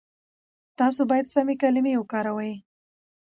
تاسو بايد سمې کلمې وکاروئ.